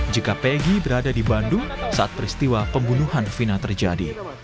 jika pegi berada di bandung saat peristiwa pembunuhan vina terjadi